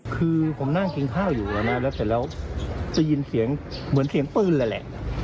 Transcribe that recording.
คือผมนั่งกินข้าวอยู่แล้วเสร็จแล้วจะยินเสียงเหมือนเสียงปืนเลยแหละ